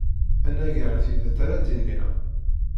Anagar tidet ara d-iniɣ.